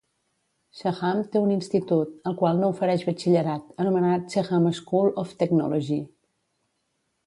Seaham té un institut, el qual no ofereix batxillerat, anomenat Seaham School of Technology.